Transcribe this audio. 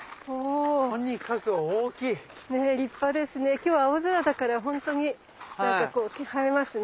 今日は青空だからほんとに映えますね。